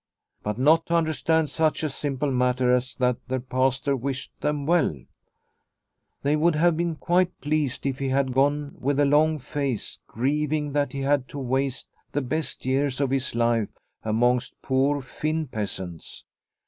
But not to understand such a simple matter as that their Pastor wished them well ! They would have been quite pleased if he had gone with a long face grieving that he had to waste the best years of his life amongst poor Finn peasants.